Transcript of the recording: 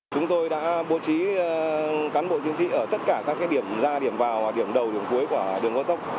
chúng tôi đã bố trí cán bộ chiến sĩ ở tất cả các điểm ra điểm vào điểm đầu điểm cuối của đường cao tốc